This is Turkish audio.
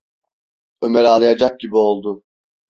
Ömer ağlayacak gibi oldu.